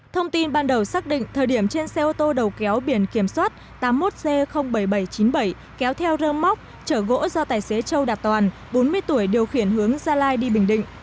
thông tin ban đầu xác định thời điểm trên xe ô tô đầu kéo biển kiểm soát tám mươi một c bảy nghìn bảy trăm chín mươi bảy kéo theo rơm móc trở gỗ do tài xế châu đạt toàn bốn mươi tuổi điều khiển hướng gia lai đi bình định